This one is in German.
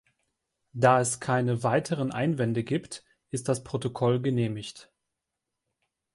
Da es keine weiteren Einwände gibt, ist das Protokoll genehmigt.